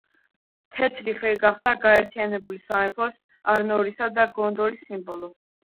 თეთრი ხე გახდა გაერთიანებული სამეფოს, არნორისა და გონდორის სიმბოლო.